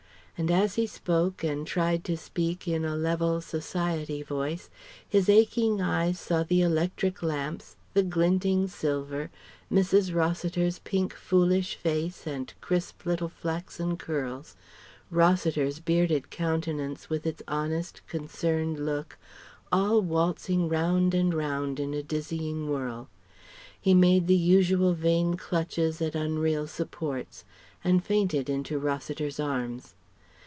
And as he spoke, and tried to speak in a level, "society" voice, his aching eyes saw the electric lamps, the glinting silver, Mrs. Rossiter's pink, foolish face and crisp little flaxen curls, Rossiter's bearded countenance with its honest, concerned look all waltzing round and round in a dizzying whirl. He made the usual vain clutches at unreal supports, and fainted into Rossiter's arms.